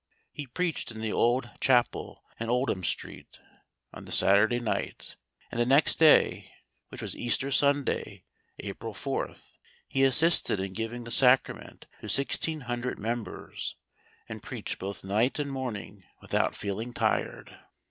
He preached in the old chapel in Oldham Street on the Saturday night, and the next day, which was Easter Sunday (April 4th), he assisted in giving the Sacrament to sixteen hundred members, and preached both night and morning without feeling tired.